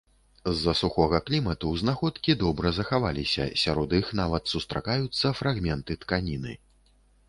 З-за сухога клімату знаходкі добра захаваліся, сярод іх нават сустракаюцца фрагменты тканіны.